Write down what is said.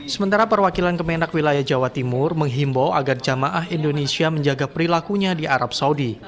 sementara perwakilan kemenak wilayah jawa timur menghimbau agar jamaah indonesia menjaga perilakunya di arab saudi